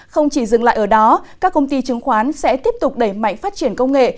không chỉ dừng lại ở đó các công ty chứng khoán sẽ tiếp tục đẩy mạnh phát triển công nghệ